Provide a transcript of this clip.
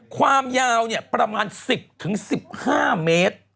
ความยาวประมาณ๑๐๑๕เมตร